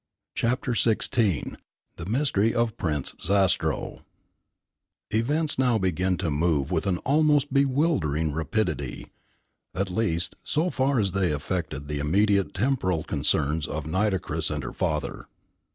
CHAPTER XVI THE MYSTERY OF PRINCE ZASTROW Events now began to move with an almost bewildering rapidity, at least, so far as they affected the immediate temporal concerns of Nitocris and her father.